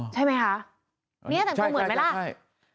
ใช่ไหมคะเนี่ยแต่งตัวเหมือนไหมล่ะใช่